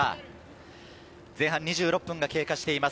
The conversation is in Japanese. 前半２６分が経過しています。